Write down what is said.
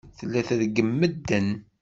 Tella treggem medden.